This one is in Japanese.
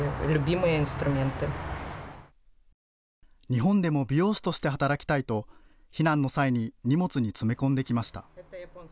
日本でも美容師として働きたいと、避難の際に荷物に詰め込んできました。